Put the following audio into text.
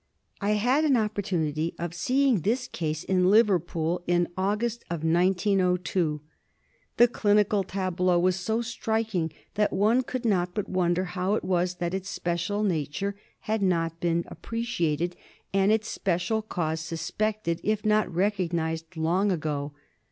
I had an opportunity of seeing this case in Liverpool in August, 1902. The clinical tableau was so striking that one could not but wonder how it was that its special nature had not been appreciated and its special cause suspected, if not recognised, long ago.